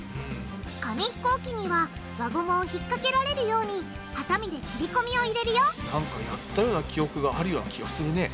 紙ひこうきには輪ゴムを引っ掛けられるようにハサミで切り込みを入れるよなんかやったような記憶があるような気がするね。